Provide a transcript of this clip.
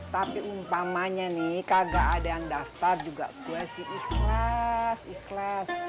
tapi umpamanya nih kagak ada yang daftar juga gue sih ikhlas ikhlas